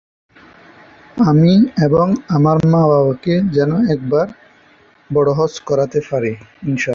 তারপর মদীনায় বসতি স্থাপন করেন।